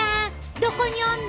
どこにおんの？